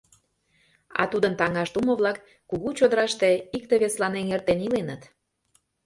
А тудын таҥаш тумо-влак кугу чодыраште икте-весылан эҥертен иленыт.